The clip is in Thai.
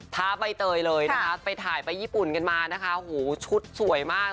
้าใบเตยเลยนะคะไปถ่ายไปญี่ปุ่นกันมานะคะหูชุดสวยมาก